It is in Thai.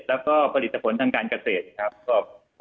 แล้วก็ผลิตผลทางการเกษตรครับ